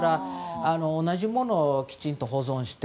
同じものをきちんと保存して。